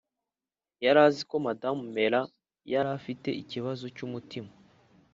yari azi ko madamu mallard yari afite ikibazo cy'umutima